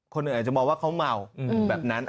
คนอื่นอื่นอาจจะมองว่าเขาเมาแบบนั้น